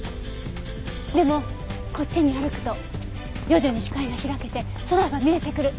でもこっちに歩くと徐々に視界が開けて空が見えてくる。